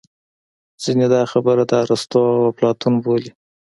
ځینې دا خبره د ارستو او اپلاتون بولي